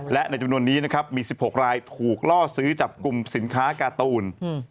และในจำนวนนี้นะครับมี๑๖รายถูกล่อซื้อจับกลุ่มสินค้าการ์ตูน